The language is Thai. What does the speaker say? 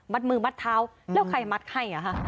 มัดมือมัดเท้าแล้วใครมัดไข้นะคะ